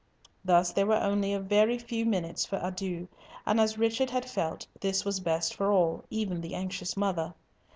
Thus there were only a very few minutes for adieux, and, as Richard had felt, this was best for all, even the anxious mother.